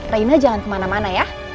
raina jangan kemana mana ya